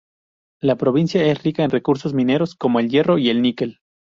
La provincia es rica en recursos mineros como el hierro y el níquel.